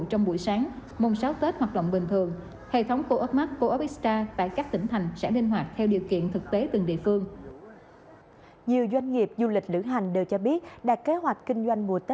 trong buổi sáng mùng sáu tết hoạt động bình thường